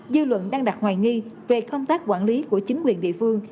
dư luận đang đặt hoài nghi về công tác quản lý của chính quyền địa phương